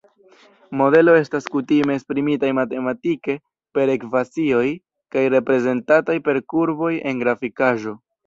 Modelo estas kutime esprimitaj matematike, per ekvacioj, kaj reprezentataj per kurboj en grafikaĵo.